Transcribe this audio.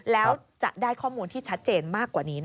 แล้วจะได้ข้อมูลที่ชัดเจนมากกว่านี้